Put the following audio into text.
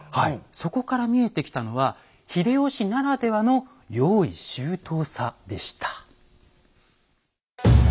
そこから見えてきたのは秀吉ならではの用意周到さでした。